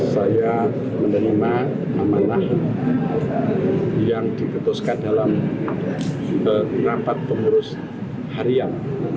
saya menerima amanah yang diputuskan dalam rapat pengurus harian